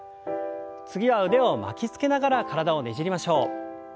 次は腕を巻きつけながら体をねじりましょう。